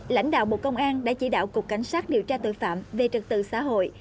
lãnh đạo bộ công an đã chỉ đạo cục cảnh sát điều tra tội phạm về trật tự xã hội